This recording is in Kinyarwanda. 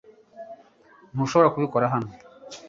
Ntushobora kubikora hano .